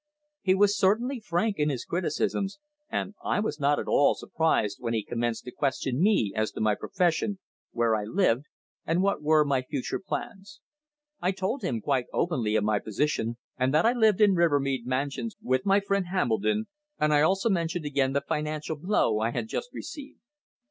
He was certainly frank in his criticisms, and I was not at all surprised when he commenced to question me as to my profession, where I lived, and what were my future plans. I told him quite openly of my position, and that I lived in Rivermead Mansions with my friend Hambledon; and I also mentioned again the financial blow I had just received.